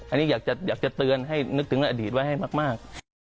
อันนี้อยากจะเตือนให้นึกถึงอดีตไว้ให้มาก